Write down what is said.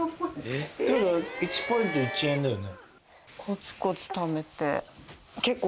１ポイント１円だよね。